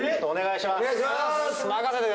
お願いします！